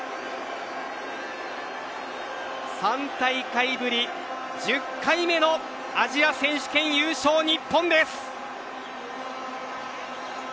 ３大会ぶり、１０回目のアジア選手権優勝、日本です。